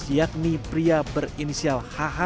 yakni pria berinisial